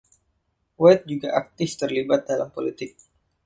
White juga aktif terlibat dalam politik.